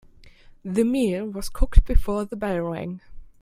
The meal was cooked before the bell rang.